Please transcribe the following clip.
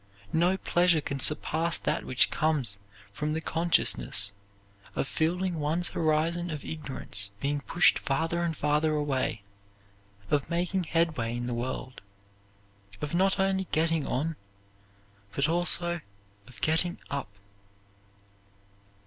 No pleasure can surpass that which comes from the consciousness of feeling one's horizon of ignorance being pushed farther and farther away of making headway in the world of not only getting on, but also of getting up.